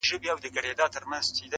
انسانانو اوس له ما دي لاس پرېولي٫